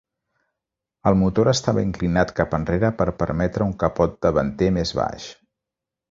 El motor estava inclinat cap enrere per permetre un capot davanter més baix.